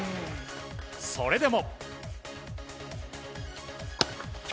それでも。